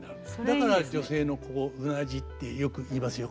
だから女性のここうなじってよく言いますよ